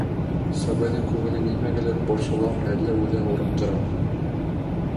Сабыйҙың күңеле нимәгәлер борсоламы әллә үҙе ауырып торамы?